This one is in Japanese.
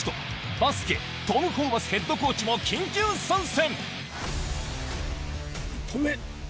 バスケ、トム・ホーバスヘッドコーチも緊急参戦。